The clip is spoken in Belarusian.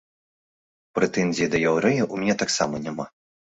Прэтэнзій да яўрэяў у мяне таксама няма.